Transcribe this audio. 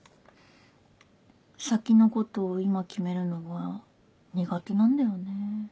先のことを今決めるのが苦手なんだよね。